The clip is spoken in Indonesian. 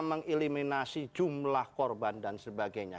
mengeliminasi jumlah korban dan sebagainya